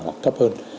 hoặc cấp hơn